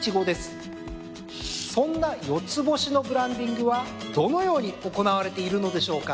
そんなよつぼしのブランディングはどのように行われているのでしょうか。